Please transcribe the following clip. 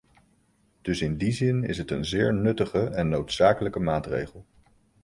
Dus in die zin is het een zeer nuttige en noodzakelijke maatregel.